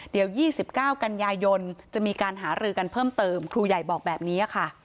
เดี๋ยว๒๙กันยายนจะมีการหารือกันเพิ่มเติมครูใหญ่บอกแบบนี้ค่ะ